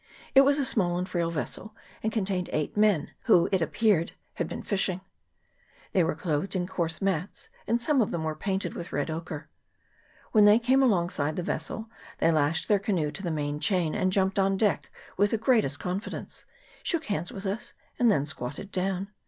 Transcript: It was a small and frail vessel, and contained eight men, who, it appeared, had been fishing. They were clothed in coarse mats, and some of them were painted with red ochre. When 24 QUEEN CHARLOTTE'S SOUND. [PART i. they came alongside the vessel, they lashed their canoe to the main chain, and jumping on deck with the greatest confidence, shook hands with us, and then squatted down.